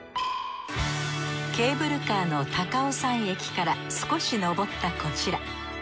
ケーブルカーの高尾山駅から少し登ったこちら。